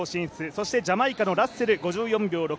そしてジャマイカのラッセル５４秒６６